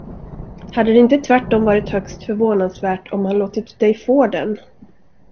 Hade det inte tvärtom varit högst förvånansvärt, om han låtit dig få den?